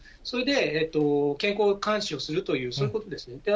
それで健康監視をするという、そういうことですね。